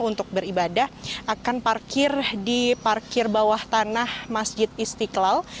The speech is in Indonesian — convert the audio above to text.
untuk beribadah akan parkir di parkir bawah tanah masjid istiqlal